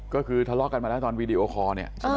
ก็คือทะเลาะกันมาแล้วตอนวีดีโอคอร์เนี่ย